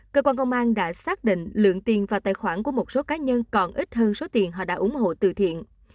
cơ quan công an đã xác định lượng tiền vào tài khoản của một số cá nhân còn ít hơn số tiền họ đã ủng hộ từ thiện